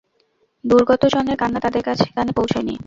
দুর্গত জনের কান্না তাদের কানে পৌঁছয়নি।